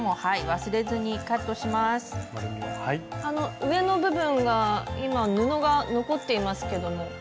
あの上の部分が今布が残っていますけども。